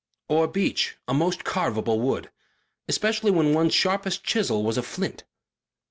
Or beech a most carvable wood. Especially when one's sharpest chisel was a flint.